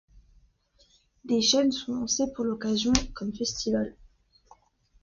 Des chaînes sont lancées pour l'occasion, comme Festival.